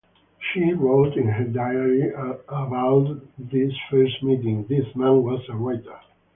She wrote in her diary about this first meeting: This man was a writer!